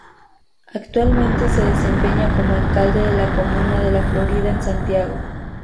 Actualmente se desempeña como alcalde de la comuna de La Florida, en Santiago.